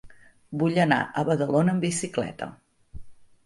Vull anar a Badalona amb bicicleta.